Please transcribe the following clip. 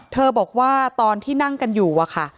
บอกว่าตอนที่นั่งกันอยู่อะค่ะ